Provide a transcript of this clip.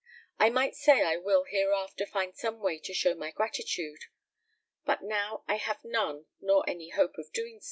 I might say I will hereafter find some way to show my gratitude; but now I have none, nor any hope of so doing.